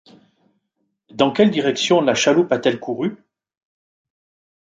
dans quelle direction la chaloupe a-t-elle couru ?